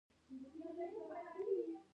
د انټي مټر له مادې سره په تماس کې له منځه ځي.